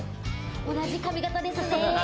同じ髪形ですね。